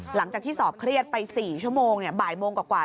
หลังจากที่สอบเครียดไป๔ชั่วโมงบ่ายโมงกว่า